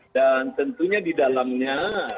dan tentunya di dalamnya